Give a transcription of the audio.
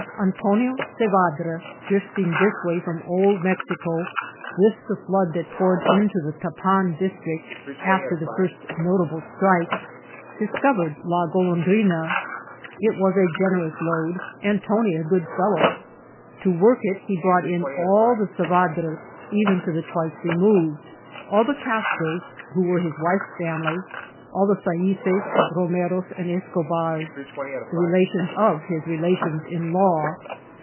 Antonio Sevadra, drifting this way from Old Mexico with the flood that poured into the Tappan district after the first notable strike, dis covered La Golondrina. It was a gener ous lode and Tony a good fellow ; to work it he brought in all the Sevadras, even to the twice removed ; all the Castros who were his wife's family, all the Saises, Ro meros, and Eschobars, — the relations of his relations in law.